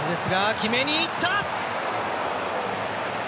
決めにいった！